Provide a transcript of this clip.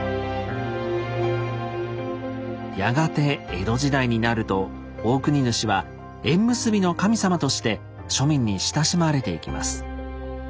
やがて江戸時代になるとオオクニヌシは「縁結びの神様」として庶民に親しまれていきます。